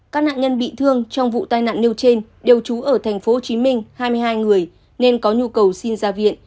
các nạn nhân bị thương trong vụ tai nạn nêu trên đều trú ở tp hcm hai mươi hai người nên có nhu cầu xin ra viện